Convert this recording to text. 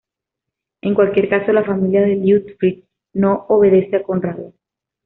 En cualquier caso, la familia de Liutfrid no obedece a Conrado.